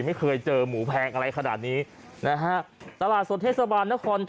ไม่เคยเจอหมูแพงอะไรขนาดนี้นะฮะตลาดสดเทศบาลนคร๗